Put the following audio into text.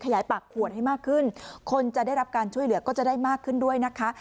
ยายปากขวดให้มากขึ้นคนจะได้รับการช่วยเหลือก็จะได้มากขึ้นด้วยนะคะ